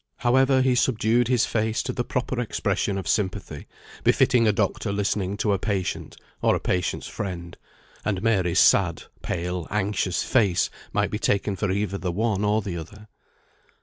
However, he subdued his face to the proper expression of sympathy, befitting a doctor listening to a patient, or a patient's friend (and Mary's sad, pale, anxious face might be taken for either the one or the other).